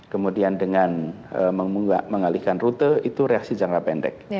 kemudian dengan mengalihkan rute itu reaksi jangka pendek